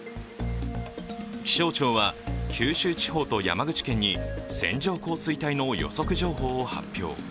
気象庁は、九州地方と山口県に線状降水帯の予測情報を発表。